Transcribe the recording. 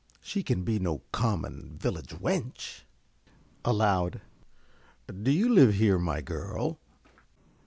She can be no common village wench. (Aloud.) Do you live here, my girl?